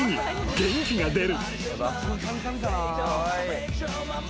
元気が出た。